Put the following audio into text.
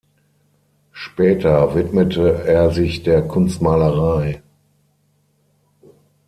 Später widmete er sich der Kunstmalerei.